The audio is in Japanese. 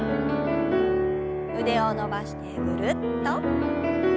腕を伸ばしてぐるっと。